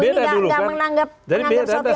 ini gak gak menanggap menanggap sesuatu yang aneh